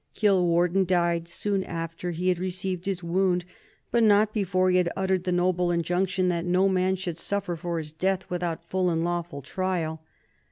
Kilwarden died soon after he had received his wound, but not before he had uttered the noble injunction that no man should suffer for his death without full and lawful trial.